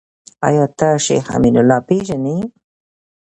آيا ته شيخ امين الله پېژنې ؟